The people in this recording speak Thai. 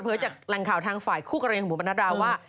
เผลอจากแหล่งข่าวทางฝ่ายคู่กระเรียนของบุ๋มบรรณดาว่า